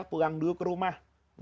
pulang dulu ke rumah